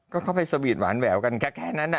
ก็เข้าไปสวีทหวานแหววกันแค่นั้น